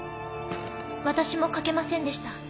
私も書けませんでした。